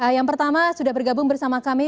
yang pertama sudah bergabung bersama kami